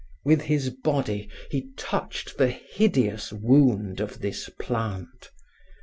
With his body he touched the hideous wound of this plant.